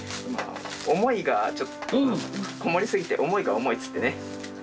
思いがちょっとこもりすぎて思いが重いっつってね。